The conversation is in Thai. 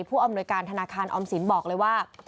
ผู้อำนวยการธนาคารออมสินบอกเลยว่า